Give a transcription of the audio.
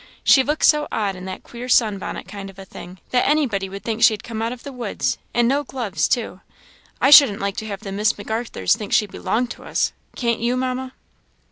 she looks so odd in that queer sun bonnet kind of a thing, that anybody would think she had come out of the woods; and no gloves too; I shouldn't like to have the Miss M'Arthurs think she belonged to us; can't you, Mamma?"